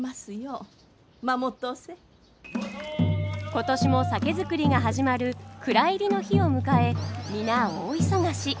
今年も酒造りが始まる蔵入りの日を迎え皆大忙し。